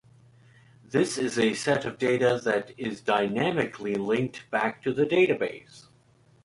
This is a set of data that is dynamically linked back to the database.